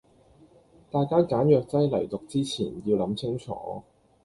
大家揀藥劑黎讀前要諗清楚